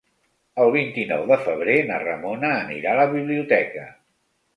El vint-i-nou de febrer na Ramona anirà a la biblioteca.